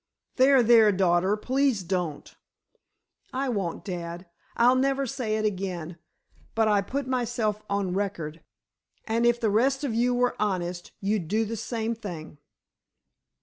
"There, there, daughter, please don't." "I won't, dad. I'll never say it again. But I put myself on record, and if the rest of you were honest, you'd do the same thing!"